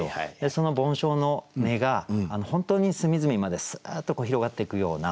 その梵鐘の音が本当に隅々まですーっと広がっていくような。